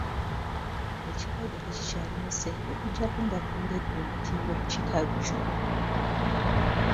Ekikajjo tekikyalimu ssente okuggyako nga twongedde omutindo ku kikajjo.